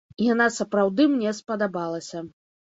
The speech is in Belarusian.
Яна сапраўды мне спадабалася.